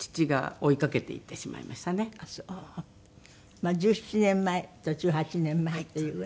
まあ１７年前と１８年前というぐらいの。